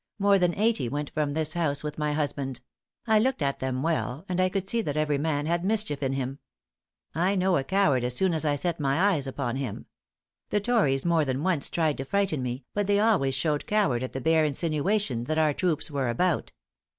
More than eighty went from this house with my husband; I looked at them well, and I could see that every man had mischief in him. I know a coward as soon as I set my eyes upon him. The tories more than once tried to frighten me, but they always showed coward at the bare insinuation that our troops were about.